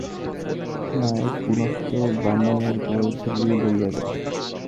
নায়েব পুনশ্চ ব্রাহ্মণের পদধূলি লইয়া গেল।